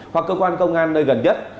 hoặc cơ quan công an nơi gần nhất